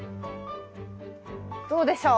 どうでしょう？